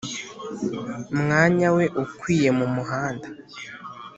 mwanya we ukwiye mu muhanda.